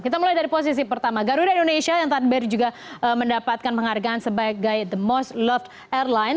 kita mulai dari posisi pertama garuda indonesia yang tadi juga mendapatkan penghargaan sebagai the most lot airline